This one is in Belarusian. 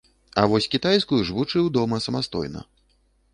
А вось кітайскую ж вучыў дома самастойна.